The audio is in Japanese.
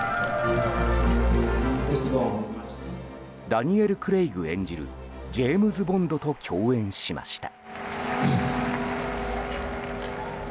ダニエル・クレイグ演じるジェームズ・ボンドと共演しました。